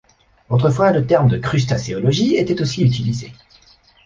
Autrefois le terme de crustacéologie était aussi utilisé.